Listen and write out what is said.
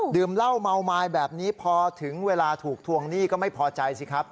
เหล้าเมาไม้แบบนี้พอถึงเวลาถูกทวงหนี้ก็ไม่พอใจสิครับ